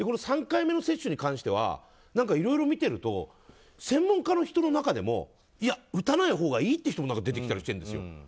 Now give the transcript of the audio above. ３回目の接種に関してはいろいろ見てると専門家の人の中でも打たないほうがいいっていう人も出てきたりしているんですよ。